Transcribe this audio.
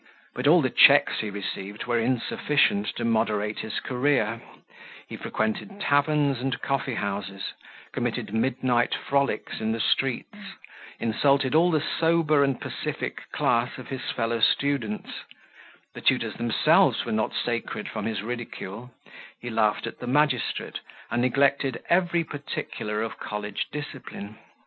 But all the checks he received were insufficient to moderate his career; he frequented taverns and coffee houses, committed midnight frolics in the streets, insulted all the sober and pacific class of his fellow students: the tutors themselves were not sacred from his ridicule; he laughed at the magistrate, and neglected every particular of college discipline.